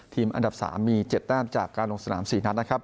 ทีมอันดับสามมีเจ็ดแป๊บจากการโดนสนามสี่๙๖นะครับ